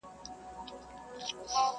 زموږ مېږیانو هم زلمي هم ماشومان مري!!